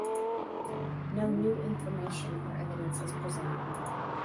No new information or evidence is presented.